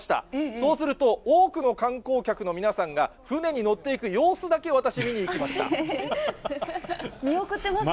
そうすると、多くの観光客の皆さんが船に乗って行く様子だけ、私、見に行きま見送ってますね。